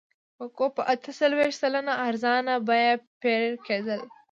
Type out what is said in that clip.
کوکو په اته څلوېښت سلنه ارزانه بیه پېرل کېده.